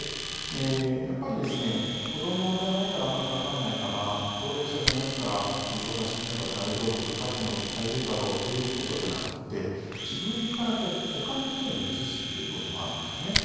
やっぱり、子どもじゃないからあまりかからないかな高齢者じゃないから重症化しないから大丈夫かかっても大丈夫だろうということじゃなくて自分から、ほかの人にうつすっていうこともあるんですよね。